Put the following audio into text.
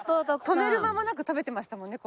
止める間もなく食べてましたもんね